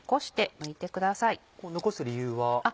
残す理由は？